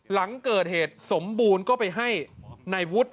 หลังเกิดเหตุสมบูรณ์ก็ไปให้นายวุฒิ